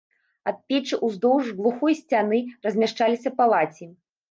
Ад печы ўздоўж глухой сцяны размяшчаліся палаці.